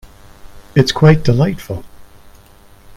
It’s quite delightful.